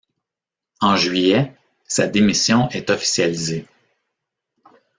En juillet, sa démission est officialisée.